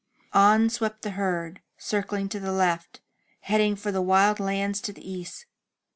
On swept the herd, circling to the left, heading for the wild lands to the east.